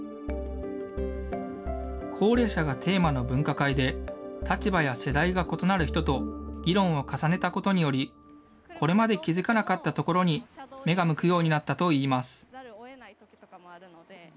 高齢者がテーマの分科会で立場や世代が異なる人と議論を重ねたことにより、これまで気付かなかったところに目が向くようになったといいます。